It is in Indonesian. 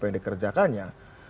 apa yang dikerjakannya